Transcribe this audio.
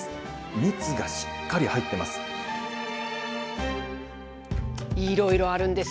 蜜がしっかり入ってます。